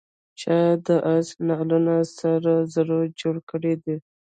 چا د آس نعلونه له سرو زرو جوړ کړي دي.